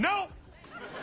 何？